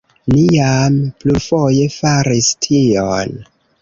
Ni jam plurfoje faris tion.